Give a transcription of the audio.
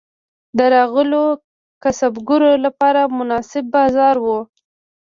د راغلیو کسبګرو لپاره مناسب بازار و.